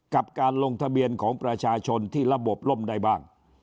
กับการลงทะเบียนของประชาชนที่ระบบล่มได้บ้าง